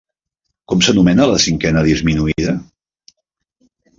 Com s'anomena la cinquena disminuïda?